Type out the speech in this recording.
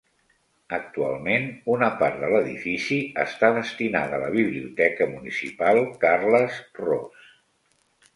Actualment, una part de l'edifici està destinada a la Biblioteca Municipal Carles Ros.